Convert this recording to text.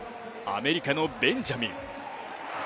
アメリカのベンジャミン。